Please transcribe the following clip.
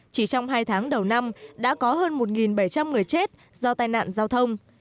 chỉ trong hai tháng đầu năm đã có hơn một bảy trăm linh người chết do tai nạn giao thông